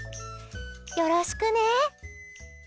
よろしくね。